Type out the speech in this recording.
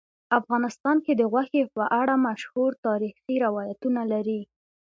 افغانستان د غوښې په اړه مشهور تاریخی روایتونه لري.